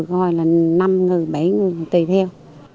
còn hồi là năm người bảy người tùy theo